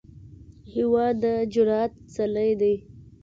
هېواد د جرئت څلی دی.